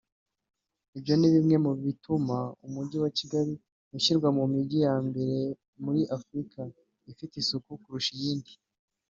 Ibyo ni bimwe bituma Umujyi wa Kigali ushyirwa ku mijyi ya mbere muri Afurika ifite isuku kurusha iyindi